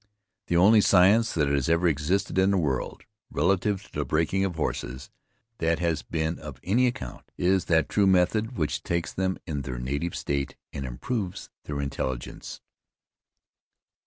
The only science that has ever existed in the world, relative to the breaking of horses, that has been of any account, is that true method which takes them in their native state, and improves their intelligence.